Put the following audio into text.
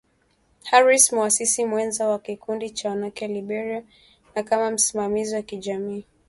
Harris muasisi mwenza wa Kikundi cha Wanawake Liberia na kama msimamizi wa kijamii